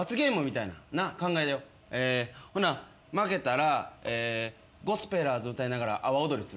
えほな負けたらゴスペラーズ歌いながら阿波踊りする。